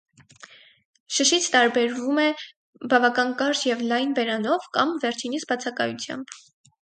Շշից տարբերվում է բավական կարճ և լայն բերանով կամ վերջինիս բացակայությամբ։